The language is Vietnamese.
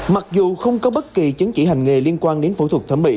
mặc dù không có bất kỳ chứng chỉ hành nghề liên quan đến phẫu thuật thẩm mỹ